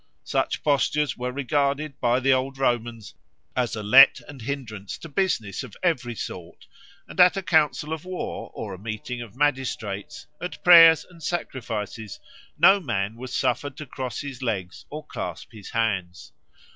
Such postures were regarded by the old Romans as a let and hindrance to business of every sort, and at a council of war or a meeting of magistrates, at prayers and sacrifices, no man was suffered to cross his legs or clasp his hands.